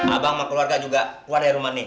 abang sama keluarga juga keluar dari rumah nih